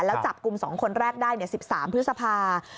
แล้วจับกลุ่ม๒คนแรกได้๑๓พฤษภา